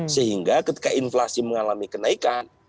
sehingga ketika inflasi mengalami kenaikan